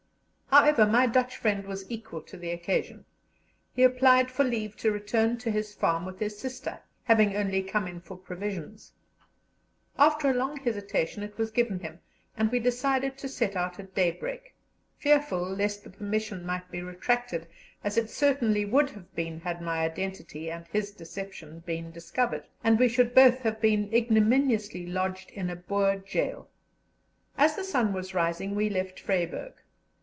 However, my Dutch friend was equal to the occasion; he applied for leave to return to his farm with his sister, having only come in for provisions. After a long hesitation it was given him, and we decided to set out at daybreak, fearful lest the permission might be retracted, as it certainly would have been had my identity and his deception been discovered, and we should both have been ignominiously lodged in a Boer gaol. As the sun was rising we left Vryburg.